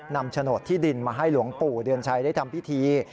โฉนดที่ดินมาให้หลวงปู่เดือนชัยได้ทำพิธี